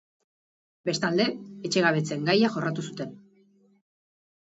Bestalde, etxegabetzeen gaia jorratu zuten.